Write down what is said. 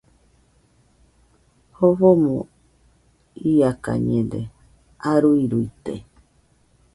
Jofomo iakañede, aruiruite